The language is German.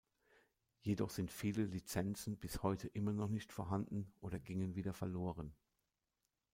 Jedoch sind viele Lizenzen bis heute immer noch nicht vorhanden oder gingen wieder verloren.